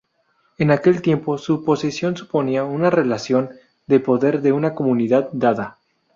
En aquel tiempo su posesión suponía una relación de poder de una comunidad dada.